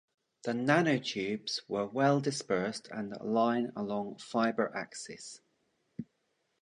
The nanotubes were well dispersed and aligned along fiber axis.